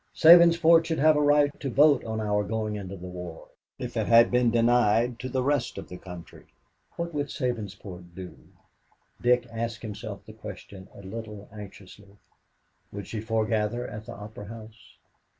Sabinsport should have a right to vote on our going into the war, if it had been denied to the rest of the country. What would Sabinsport do? Dick asked himself the question a little anxiously. Would she foregather at the Opera House?